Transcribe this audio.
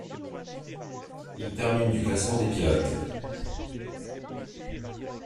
Il termine du classement des pilotes.